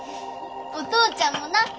お父ちゃんもな。